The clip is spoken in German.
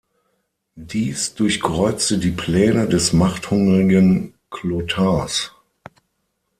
Dies durchkreuzte die Pläne des machthungrigen Chlothars.